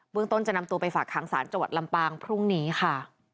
เมืองต้นจะนำตัวไปฝากหางศาลจังหวัดลำปางพรุ่งนี้ค่ะ